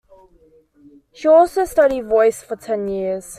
She also studied voice for ten years.